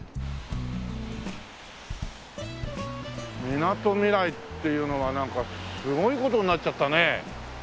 みなとみらいっていうのはなんかすごい事になっちゃったね。